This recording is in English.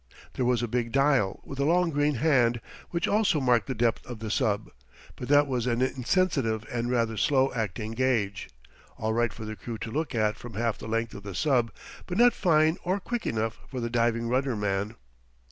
There was a big dial, with a long green hand, which also marked the depth of the sub; but that was an insensitive and rather slow acting gauge all right for the crew to look at from half the length of the sub, but not fine or quick enough for the diving rudder man.